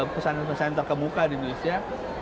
pesantren pesantren terkemuka di indonesia